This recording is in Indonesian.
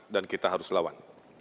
dan kita harus lawan